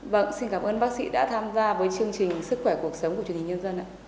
vâng xin cảm ơn bác sĩ đã tham gia với chương trình sức khỏe cuộc sống của truyền hình nhân dân ạ